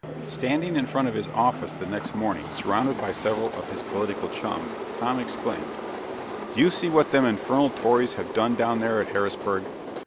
Standing in front of his office the next morning, surrounded by several of his political chums, Tom exclaimed: "Do you see what them infernal tories have done down there at Harrisburg?